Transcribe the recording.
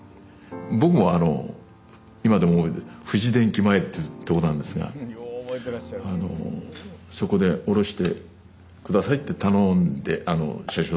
僕も今でも覚えてる「富士電機前」っていうとこなんですが「そこで降ろして下さい」って頼んであの車掌さんに。